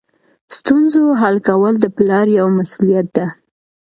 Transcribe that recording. ستونزو حل کول د پلار یوه مسؤلیت ده.